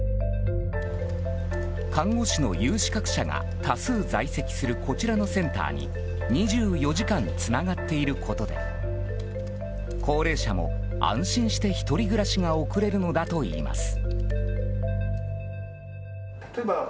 看護師の有資格者が多数在籍するこちらのセンターに２４時間つながっていることで高齢者も、安心して１人暮らしが送れるのだといいます。